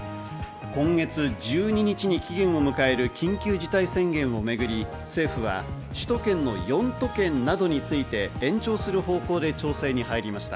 今月１２日に期限を迎える緊急事態宣言をめぐり政府は首都圏の４都県などについて、延長する方向で調整に入りました。